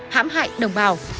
hãm hại đồng bào